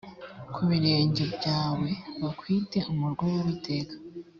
ku birenge byawe bakwite umurwa w’uwiteka